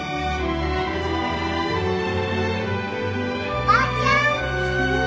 おばあちゃん。